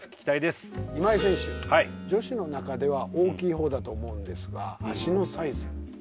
今井選手女子の中では大きい方だと思うんですが足のサイズどれぐらいだと思います？